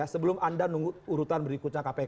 sebelum anda nunggu urutan berikutnya kpk